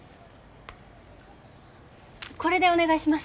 これでお願いします。